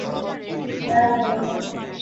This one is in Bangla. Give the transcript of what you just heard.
কী খারাপ কথা!